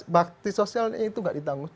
bakti sosialnya itu nggak ditanggung